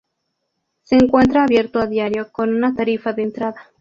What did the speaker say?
Se encuentra abierto a diario con una tarifa de entrada.